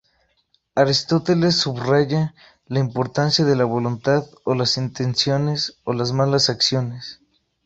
Aristóteles subraya la importancia de la voluntad, o las intenciones o las malas acciones.